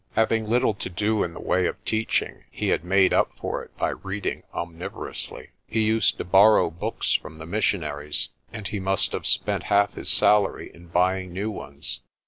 Having little to do in the way of teaching, he had made up for it by reading omnivorously. He used to borrow books from the missionaries, and he must have spent half his salary in buying new ones.